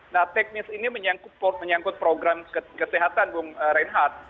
nah teknis ini menyangkut program kesehatan bung reinhardt